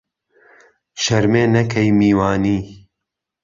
شەرمێ نهکەی میوانی